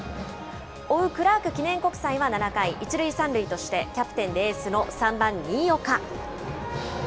追うクラーク記念国際は７回、１塁３塁として、キャプテンでエースの３番新岡。